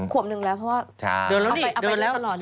ขวบหนึ่งแล้วเพราะว่าออกไปกัยเนี่ย